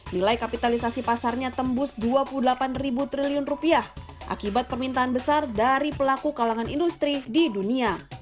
nilai kapitalisasi pasarnya tembus dua puluh delapan triliun rupiah akibat permintaan besar dari pelaku kalangan industri di dunia